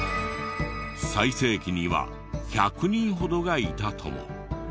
最盛期には１００人ほどがいたとも。